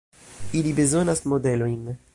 Ili bezonas modelojn.